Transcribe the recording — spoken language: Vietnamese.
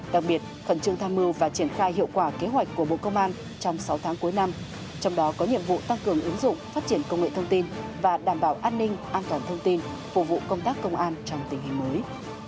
đặc biệt khẩn trương tham mưu và triển khai hiệu quả kế hoạch của bộ công an trong sáu tháng cuối năm trong đó có nhiệm vụ tăng cường ứng dụng phát triển công nghệ thông tin và đảm bảo an ninh an toàn thông tin phục vụ công tác công an trong tình hình mới